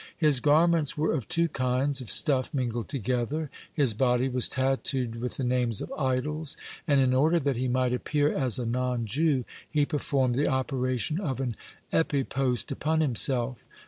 His garments were of two kinds of stuff mingled together, his body was tattooed with the names of idols, and in order that he might appear as a non Jew, he performed the operation of an epipost upon himself.